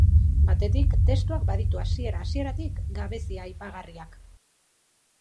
Batetik, testuak baditu hasiera-hasieratik gabezia aipagarriak.